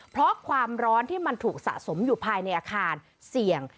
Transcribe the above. เพราะความร้อนที่มันถูกสะสมอยู่ภายในอาคารเสี่ยง